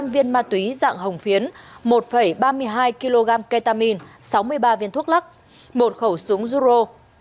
ba mươi năm trăm linh viên ma túy dạng hồng phiến một ba mươi hai kg ketamine sáu mươi ba viên thuốc lắc một khẩu súng gyro